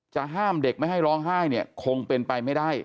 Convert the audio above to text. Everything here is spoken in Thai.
ห้ามเด็กไม่ให้ร้องไห้เนี่ยคงเป็นไปไม่ได้